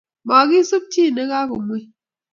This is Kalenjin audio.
.Mokisup chi na kakomwei